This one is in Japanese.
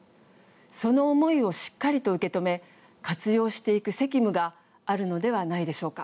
その思いをしっかりと受け止め活用していく責務があるのではないでしょうか。